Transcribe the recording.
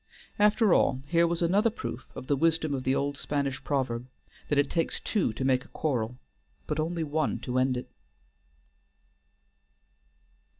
After all, here was another proof of the wisdom of the old Spanish proverb, that it takes two to make a quarrel, but only one to end it.